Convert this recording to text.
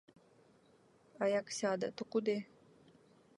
А як сяде, то куди?